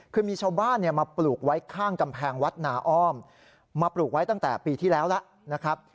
คือมีชาวบ้านมาปลูกไว้ข้างกำแพงวัดนาอ้อมมาปลูกไว้ตั้งแต่ปีที่แล้วแล้วนะครับ